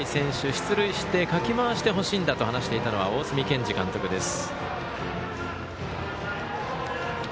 出塁してかき回してほしいんだと話していたのは大角健二監督です。